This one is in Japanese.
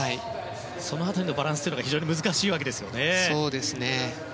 その辺りのバランスが難しいわけですね。